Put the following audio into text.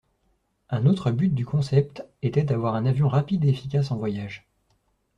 Un autre but du concept était d'avoir un avion rapide et efficace en voyage.